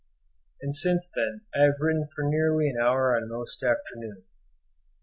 and since then I have written for nearly an hour on most afternoons."